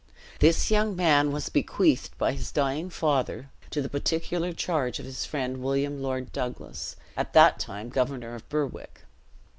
This young man was bequeathed by his dying father to the particular charge of his friend William Lord Douglas, at that time governor of Berwick.